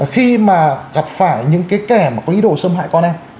khi mà gặp phải những cái kẻ mà có ý đồ xâm hại con em